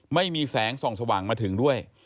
ไม่มีแสงส่องสว่างมาถึงด้วย